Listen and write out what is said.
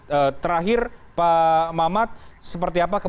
jadi terakhir pak mamat seperti apa